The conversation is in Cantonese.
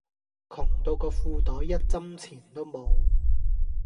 窮到個褲袋一針錢都冇